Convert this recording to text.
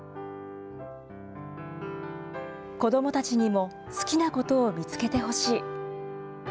子どもたちにも好きなことを見つけてほしい。